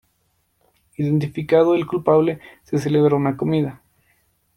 Identificado el culpable, se celebra una comida.